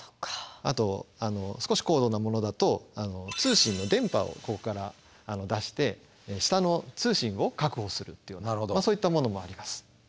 あと少し高度なものだと通信の電波をここから出して下の通信を確保するっていうようなそういったものもあります。